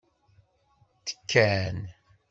Tekkan.